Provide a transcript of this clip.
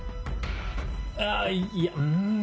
あぁいやうん。